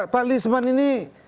pak lisman ini